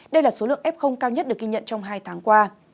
đây là số lượng f cao nhất được ghi nhận trong hai tháng qua